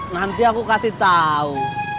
nanti aku kasih tau